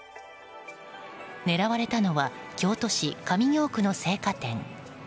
狙われたのは京都市上京区の青果店。